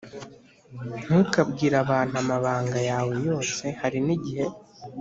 Ntukabwire abantu amabanga yawe yose harinigihe